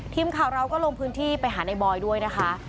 ทีมข่าวเราก็ลงพื้นที่ไปหาในบอยด้วยนะคะ